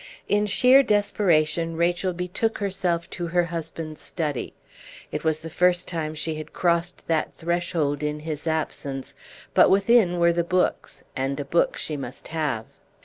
In sheer desperation Rachel betook herself to her husband's study; it was the first time she had crossed that threshold in his absence, but within were the books, and a book she must have.